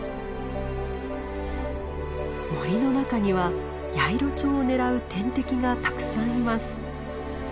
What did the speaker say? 森の中にはヤイロチョウを狙う天敵がたくさんいます。